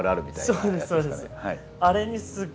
そうですそうです。